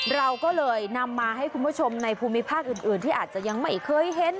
เราก็เลยนำมาให้คุณผู้ชมในภูมิภาคอื่นที่อาจจะยังไม่เคยเห็น